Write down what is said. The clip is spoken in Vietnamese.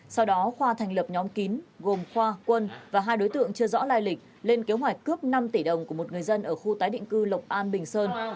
sau đó khoa thành lập nhóm kín gồm khoa quân và hai đối tượng chưa rõ lai lịch lên kế hoạch cướp năm tỷ đồng của một người dân ở khu tái định cư lộc an bình sơn